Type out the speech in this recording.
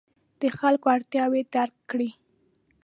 د خلکو اړتیاوې درک کړه.